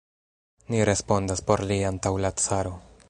Ni respondas por li antaŭ la caro.